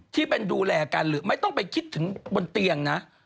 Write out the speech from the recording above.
ที่เป็นดูแลกันหรือไม่ต้องไปคิดถึงบนเตียงนะ